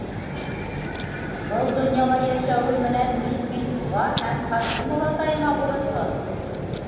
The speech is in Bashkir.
Был донъяла йәшәүем менән мин бит уға һәм Хашим олатайыма бурыслы.